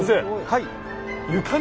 はい。